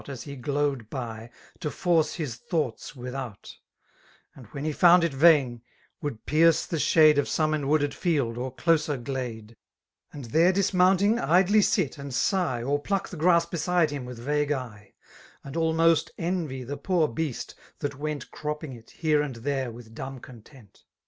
As he glode by, to force his thoughts wtibout; And, when h^ found it vaiu^ would pierce the shade Of some enwood^d fidd or eloper giade. m Aad ihcie diiniibiuiliiig^ idly nt^ and ngh. Or pluck the^ntfN) beside hifii Willi ragne eye> And almost envy the poor beast, that went Cropping it, here aad tHere^ With dumb oimttet.